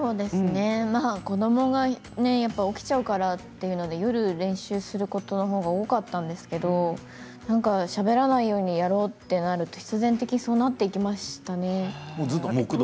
子どもが起きちゃうからというので夜、練習することの方が多かったんですけどしゃべらないようにやろうとなると必然的にそうなってきましたね。